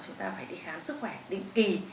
chúng ta phải đi khám sức khỏe định kỳ